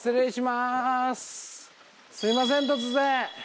すみません突然。